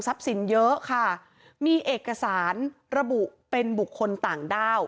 สินเยอะค่ะมีเอกสารระบุเป็นบุคคลต่างด้าว